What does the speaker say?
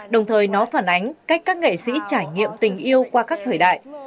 đồng thời nó phản ánh cách các nghệ sĩ trải nghiệm tình yêu qua các thời đại